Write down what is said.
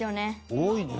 「多いね！